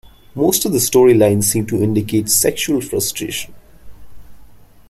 Most of the storylines seem to indicate sexual frustration.